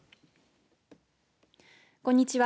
こんにちは。